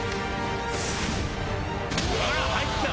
入ってた！